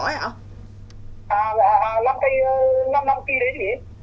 à năm cây năm năm cây đấy chị